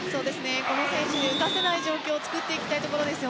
この選手を生かせない状況を作っていきたいです。